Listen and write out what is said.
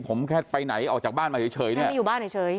ผมแค่ไปไหนออกจากบ้านมาเฉยเฉยแค่ไม่อยู่บ้านเฉยเฉย